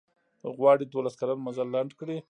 غواړي دولس کلن مزل لنډ کړي.